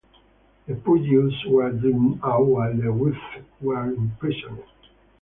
The poor Jews were driven out, while the wealthy were imprisoned.